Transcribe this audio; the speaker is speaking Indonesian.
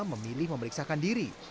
memilih memeriksakan diri